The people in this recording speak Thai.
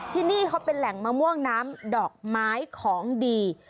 ที่นี่เขาเป็นแหล่งมะม่วงน้ำดอกไม้ของดี